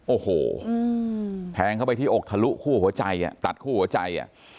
โอ้โหแทงเข้าไปที่อกทะลุคู่หัวใจอ่ะตัดคู่หัวใจอ่ะ